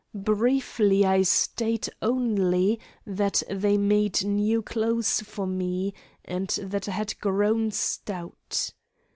Briefly I state only that they made new clothes for me and that I had grown stout.